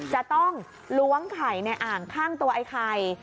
จะต้องล้วงไข่ในอ่างข้างตัวไอ้ไข่